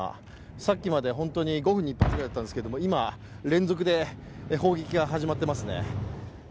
さっきまで本当に５分に１発ぐらいだったんですが今連続で砲撃が始まっていますね。